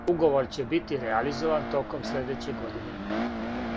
Уговор ће бити реализован током следеће године.